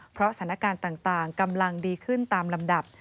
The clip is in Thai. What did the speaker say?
เพราะสถานการณ์ต่างกำลังดีขึ้นตามลำดับ